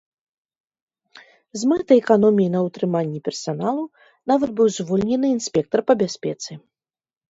З мэтай эканоміі на ўтрыманні персаналу нават быў звольнены інспектар па бяспецы.